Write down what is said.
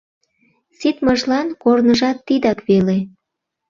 — Ситмыжлан корныжат тидак веле.